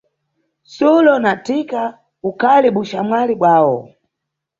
Sulo na Thika ukhali buxamwali bwawo.